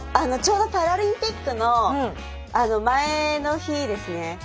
ちょうどパラリンピックの前の日ですね。